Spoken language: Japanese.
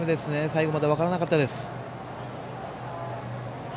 最後まで分からなかったです。